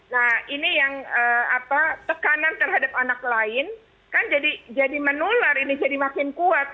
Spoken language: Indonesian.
nah ini yang tekanan terhadap anak lain kan jadi menular ini jadi makin kuat